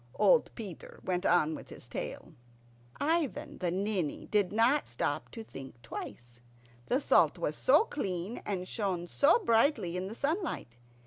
Old Peter went on with his tale. Ivan the Ninny did not stop to think twice. The salt was so clean and shone so brightly in the sunlight.